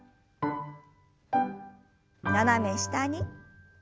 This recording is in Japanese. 斜め下に。